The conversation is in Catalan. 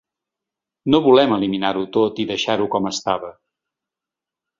No volem eliminar-ho tot i deixar-ho com estava.